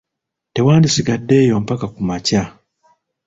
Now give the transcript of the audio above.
Tewandisigadde eyo mpaka ku makya!